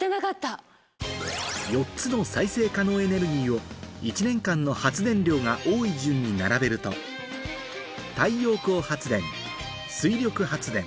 ４つの再生可能エネルギーを１年間の発電量が多い順に並べると寝ます。